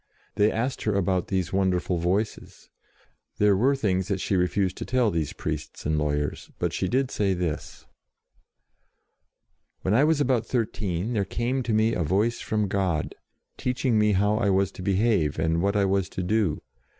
They asked her about these wonder ful Voices. There were things that she refused to tell these priests and lawyers, but she did say this: "When I was about thirteen there came to me a Voice from God, teaching me how I was to behave and what I was to do.